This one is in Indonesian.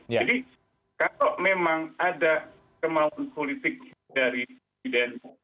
jadi kalau memang ada kemauan politik dari presiden dari jakarta agung dari kabupaten